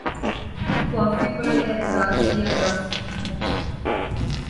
قوافی پر اعتراض کیا جا سکتا ہے۔